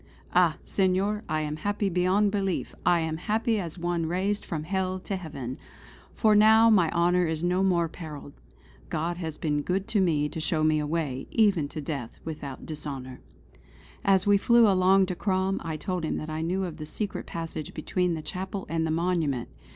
"Ah, Senor, I am happy beyond belief. I am happy as one raised from Hell to Heaven. For now my honour is no more perilled. God has been good to me to show a way, even to death, without dishonour." As we flew along to Crom I told him what I knew of the secret passage between the chapel and the monument.